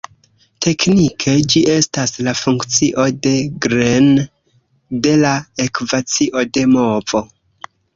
Teknike, ĝi estas la funkcio de Green de la ekvacio de movo.